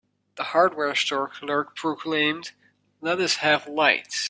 The hardware store clerk proclaimed, "Let us have lights!"